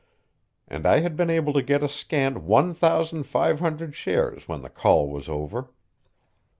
And I had been able to get a scant one thousand five hundred shares when the call was over.